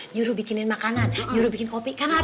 juru bikinin makanan juru bikin kopi